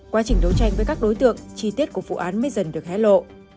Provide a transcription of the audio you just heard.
quá trình đấu tranh với các đối tượng chi tiết của vụ án mới dần được hé lộ